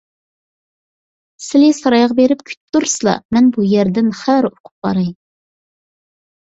سىلى سارايغا بېرىپ كۈتۈپ تۇرسىلا، مەن بۇ يەردىن خەۋەر ئۇقۇپ باراي.